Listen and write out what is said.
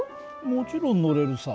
もちろん乗れるさ。